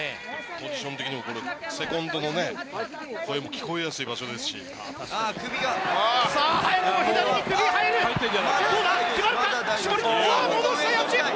ポジション的にもセコンドの声も聞こえやすい場所ですので。